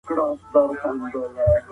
يوازې کار وکړو.